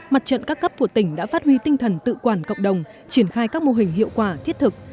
mặt trận các cấp của tỉnh đã phát huy tinh thần tự quản cộng đồng triển khai các mô hình hiệu quả thiết thực